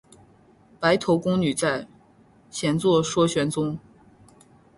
白头宫女在，闲坐说玄宗。